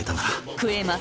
食えます！